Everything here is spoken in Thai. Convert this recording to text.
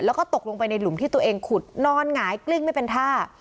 แล้วก็ตกลงไปในหลุมที่ตัวเองขุดนอนหงายกลิ้งไม่เป็นท่า